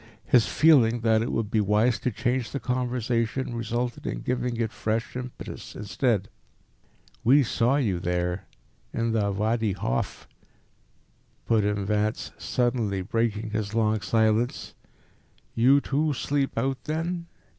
His feeling that it would be wise to change the conversation resulted in giving it fresh impetus instead. "We saw you there in the Wadi Hof," put in Vance, suddenly breaking his long silence; "you too sleep out, then?